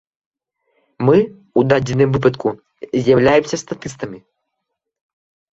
Мы ў дадзеным выпадку з'яўляемся статыстамі.